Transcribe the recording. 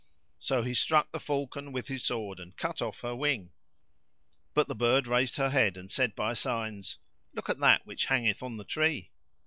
So he struck the falcon with his sword and cut off her wing; but the bird raised her head and said by signs, "Look at that which hangeth on the tree!"